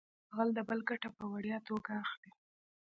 غل د بل ګټه په وړیا توګه اخلي